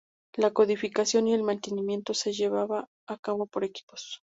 La codificación y el mantenimiento se llevaba a cabo por equipos.